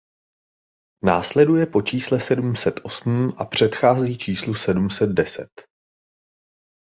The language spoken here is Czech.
Následuje po čísle sedm set osm a předchází číslu sedm set deset.